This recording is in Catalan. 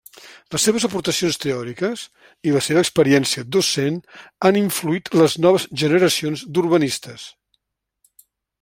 Les seves aportacions teòriques i la seva experiència docent han influït les noves generacions d'urbanistes.